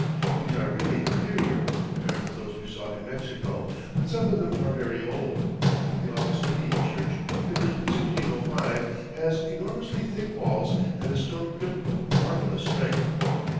These are really inferior, compared with those we saw in Mexico, but some of them are very old. The Augustinian Church, finished in 1605, has enormously thick walls and a stone crypt of marvelous strength.